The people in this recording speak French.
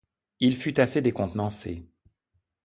Il fut assez décontenancé.